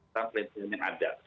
sample ini ada